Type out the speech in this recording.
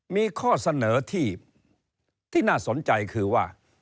มีข้อเสนอที่น่าสนใจคือว่า